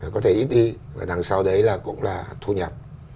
có thể ít đi và đằng sau đấy là cũng là thu nhập